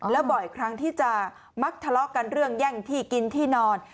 แล้วบ่อยครั้งที่จะมักทะเลาะกันเรื่องแย่งที่กินที่นอน